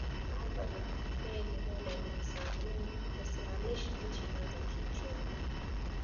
Naomba nipeni muda nisimamishe nchi kwanza kiuchumi